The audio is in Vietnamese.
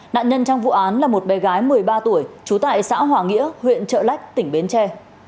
nạn nhân trong vụ án là một bé gái một mươi ba tuổi trú tại xã hòa nghĩa huyện trợ lách tỉnh bến tre